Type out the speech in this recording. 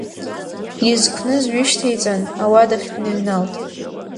Иазқәныз ҩышьҭеиҵан, ауадахь дныҩналт.